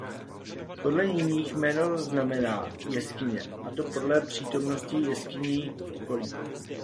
Podle jiných jméno znamená "jeskyně" a to podle přítomnosti jeskyní v okolí.